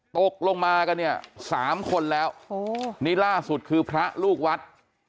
ตกลงมากันเนี่ยสามคนแล้วนี่ล่าสุดคือพระลูกวัด